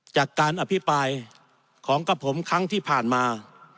จากการอภิปรายของกับผมครั้งที่ผ่านมา